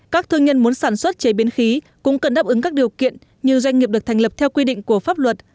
các thương nhân muốn sản xuất chế biến khí cũng cần đáp ứng các điều kiện như doanh nghiệp được thành lập theo quy định của pháp luật